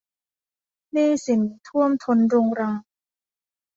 หนี้สินท่วมท้นรุงรัง